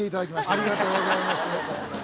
ありがとうございます。